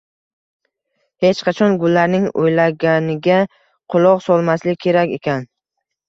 Hech qachon gullarning o'ylaganiga quloq solmaslik kerak ekan